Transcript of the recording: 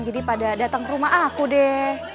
jadi pada datang ke rumah aku deh